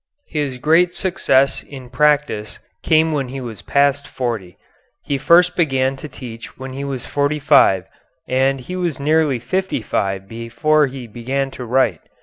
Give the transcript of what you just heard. His great success in practice came when he was past forty. He first began to teach when he was forty five, and he was nearly fifty five before he began to write.